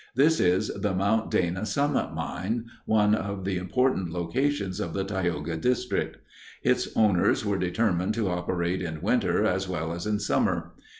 This is the Mount Dana Summit Mine, one of the important locations of the Tioga District. Its owners were determined to operate in winter, as well as in summer.